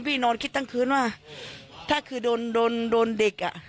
พี่นอนคิดตั้งคืนว่าถ้าคือโดนโดนเด็กอ่ะ